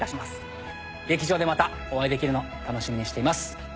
劇場でまたお会いできるの楽しみにしています。